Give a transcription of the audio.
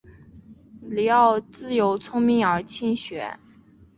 李鏊自幼聪明而勤学。